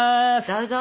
どうぞ！